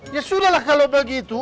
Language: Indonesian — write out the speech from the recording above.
ya sudahlah kalo begitu